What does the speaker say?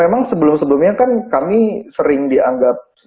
ya memang sebelum sebelumnya kan kami seharusnya kita bisa mengambil beberapa perkembangan